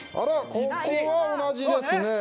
ここは同じですねえ。